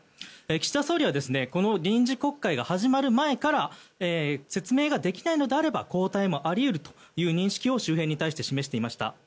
岸田総理はこの臨時国会が始まる前から説明ができないのであれば交代もあり得るという認識を周辺に示していました。